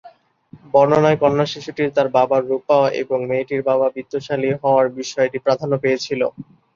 বর্ণনায় কন্যা শিশুটির তার বাবার রূপ পাওয়া এবং মেয়েটির বাবা বিত্তশালী হওয়ার বিষয়টি প্রাধান্য পেয়েছিল।